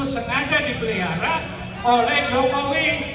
saya ini bukan ini